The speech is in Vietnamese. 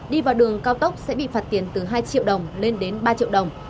đi vào đường cao tốc sẽ bị phạt tiền từ hai triệu đồng lên đến ba triệu đồng